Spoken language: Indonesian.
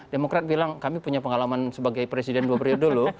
demokrat bilang kami punya pengalaman sebagai presiden dua periode dulu